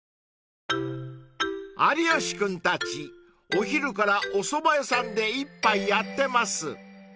お昼からおそば屋さんで一杯やってます］